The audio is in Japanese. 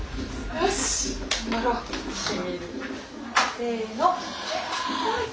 せの！